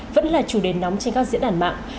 vẫn là chủ đề nóng trên các diễn đàn mạng